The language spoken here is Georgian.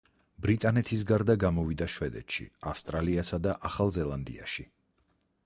ბრიტანეთის გარდა გამოვიდა შვედეთში, ავსტრალიასა და ახალ ზელანდიაში.